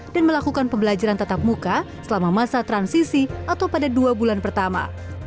dan melakukan pembelajaran tata muka selama masa transisi atau pada dua bulan pertama